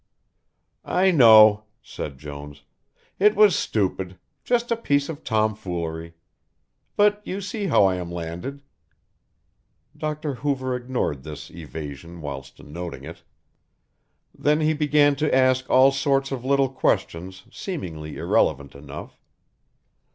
"I know," said Jones, "it was stupid, just a piece of tom foolery but you see how I am landed." Dr. Hoover ignored this evasion whilst noting it. Then he began to ask all sorts of little questions seemingly irrelevant enough.